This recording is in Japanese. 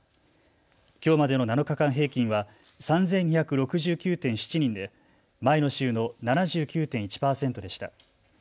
きょうまでの７日間平均は３２６９．７人で前の週の７９．１％でした。